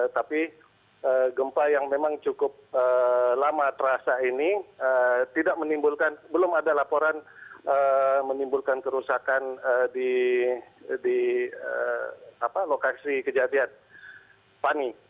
tapi gempa yang memang cukup lama terasa ini belum ada laporan menimbulkan kerusakan di lokasi kejadian fani